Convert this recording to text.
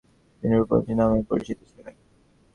তিনি রূপমঞ্জরি নামেও পরিচিতা ছিলেন।